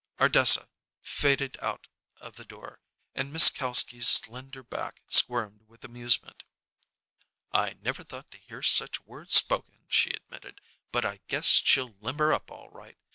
Ardessa faded out of the door, and Miss Kalski's slender back squirmed with amusement. "I never thought to hear such words spoken," she admitted; "but I guess she'll limber up all right.